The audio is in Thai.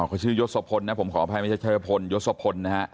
เขาชื่อยศพลนะผมขออภัยไม่ใช่ชายพลยศพลนะฮะ